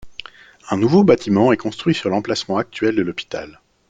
Un nouveau bâtiment est construit sur l'emplacement actuel de l'hôpital.